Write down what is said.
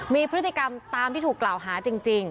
มีพฤติกรรมตามที่ถูกกล่าวหาจริง